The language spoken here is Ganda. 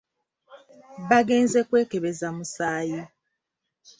Bagenze kwekebeza musaayi.